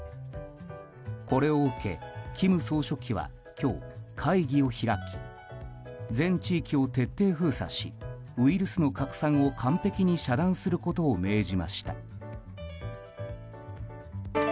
これを受け金総書記は今日、会議を開き全地域を徹底封鎖しウイルスの拡散を完璧に遮断することを命じました。